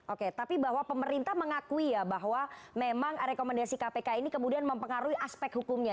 oke tapi bahwa pemerintah mengakui ya bahwa memang rekomendasi kpk ini kemudian mempengaruhi aspek hukumnya